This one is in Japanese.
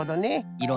いろ